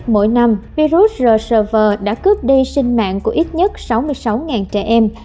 mỗi năm virus rsvn đã cướp đi sinh mạng của ít nhất sáu mươi sáu trẻ em